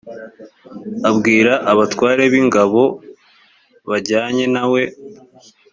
abwira abatware b’ingabo bajyanye na we